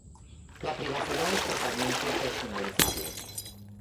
La privacidad es totalmente personalizable.